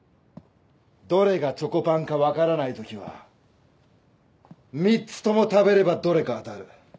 どれがチョコパンか分からないときは３つとも食べればどれか当たる。